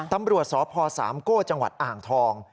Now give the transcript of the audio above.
ตำรวจสพ๓กจังหวัดอ่างทอง